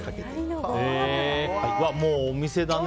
もうお店だね。